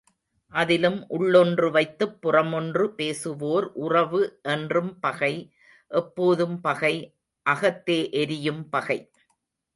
அதிலும் உள்ளொன்று வைத்துப் புறமொன்று பேசுவோர் உறவு என்றும் பகை, எப்போதும் பகை, அகத்தே எரியும் பகை.